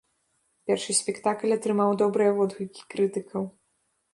Першы спектакль атрымаў добрыя водгукі крытыкаў.